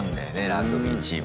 ラグビーチーム。